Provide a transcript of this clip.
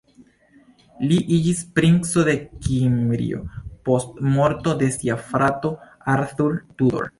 Li iĝis Princo de Kimrio post morto de sia frato Arthur Tudor.